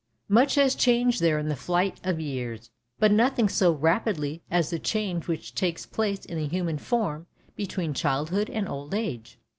Much has changed there in the flight of years, but nothing so rapidly as the change which takes place in the human form between childhood and old age.